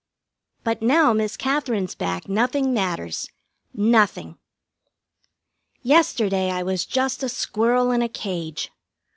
But now Miss Katherine's back, nothing matters. Nothing! Yesterday I was just a squirrel in a cage.